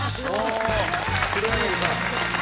黒柳さん